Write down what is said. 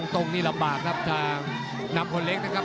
ตรงนี้ลำบากครับทางนำคนเล็กนะครับ